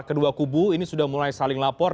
kedua kubu ini sudah mulai saling lapor